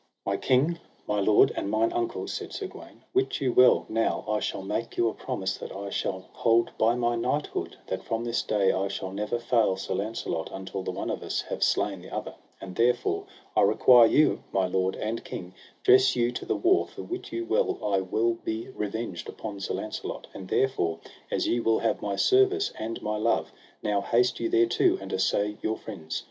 My king, my lord, and mine uncle, said Sir Gawaine, wit you well now I shall make you a promise that I shall hold by my knighthood, that from this day I shall never fail Sir Launcelot until the one of us have slain the other. And therefore I require you, my lord and king, dress you to the war, for wit you well I will be revenged upon Sir Launcelot; and therefore, as ye will have my service and my love, now haste you thereto, and assay your friends.